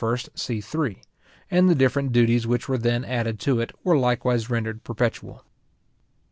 c. 3, and the different duties which were then added to it were likewise rendered perpetual.